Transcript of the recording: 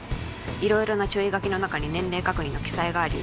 色々な注意書きの中に年齢確認の記載があり